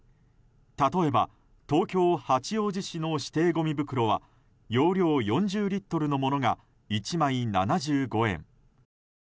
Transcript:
例えば、東京・八王子市の指定ごみ袋は容量４０リットルのものが１枚７５円。